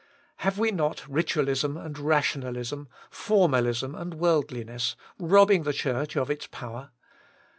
Have we not ritualism and rationalism, formalism and worldliness, robbing the Church of its power